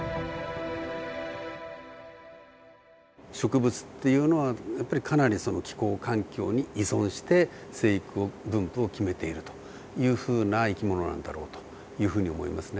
植物っていうのはやっぱりかなり気候環境に依存して生育を分布を決めているというふうな生き物なんだろうというふうに思いますね。